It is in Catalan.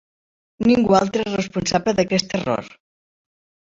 Ningú altre és responsable d'aquest error.